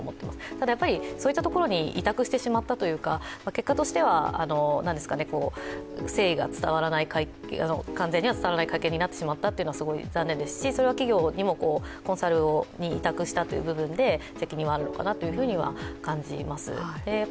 ただ、そういったところに委託してしまったというか、結果としては誠意が伝わらない会見になってしまったのはすごい残念ですし、それは企業にもコンサルに委託した部分で責任はあるのかなというふうには感じます